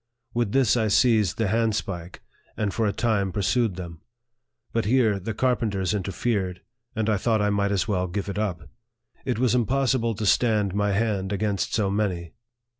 With this I seized the handspike, and for a time pursued them. But here the carpenters in terfered, and I thought I might as well give it up. It was impossible to stand my hand against so many.